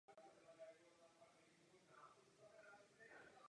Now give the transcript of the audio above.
Jeho producentem byl Terry Knight.